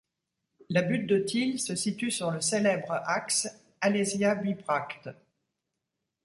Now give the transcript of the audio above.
La butte de Thil se situe sur le célèbre axe Alésia-Bibracte.